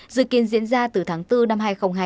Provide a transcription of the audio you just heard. dự kiến diễn ra từ tháng bốn năm hai nghìn hai mươi